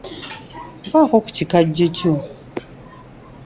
Mpaako ku kikajjo kyo.